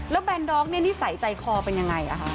แล้วแบนดอกนี่นิสัยใจคอเป็นอย่างไรคะ